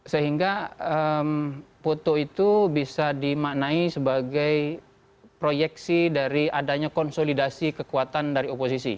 sehingga foto itu bisa dimaknai sebagai proyeksi dari adanya konsolidasi kekuatan dari oposisi